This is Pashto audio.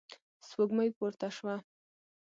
سپوږمۍ پورته شوه.